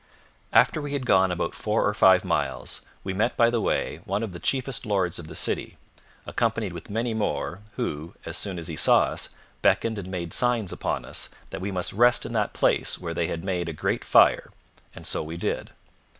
After we had gone about four or five miles, we met by the way one of the chiefest lords of the city, accompanied with many more, who, as soon as he saw us, beckoned and made signs upon us, that we must rest in that place where they had made a great fire and so we did.